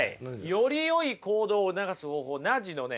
よりよい行動を促す方法ナッジのね